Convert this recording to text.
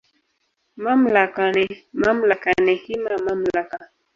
"Malmaka ni, mamlaka ni hima mamlaka"